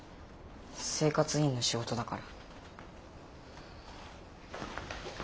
生活委員の仕事だから。